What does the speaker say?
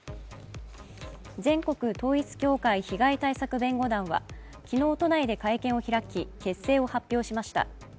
全国統一教会被害対策弁護団は昨日、都内で会見を開き結成を発表しました。